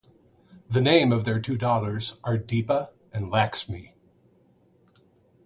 The name of their two daughters are Deepa and Laxmi.